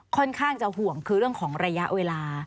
ค่อนข้างจะห่วงคือเรื่องของระยะเวลา